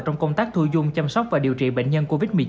trong công tác thu dung chăm sóc và điều trị bệnh nhân covid một mươi chín